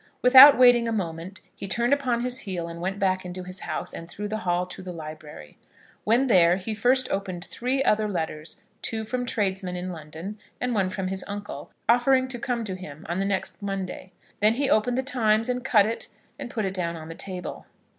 Without waiting a moment, he turned upon his heel, and went back into his house, and through the hall to the library. When there, he first opened three other letters, two from tradesmen in London, and one from his uncle, offering to come to him on the next Monday. Then he opened the "Times," and cut it, and put it down on the table.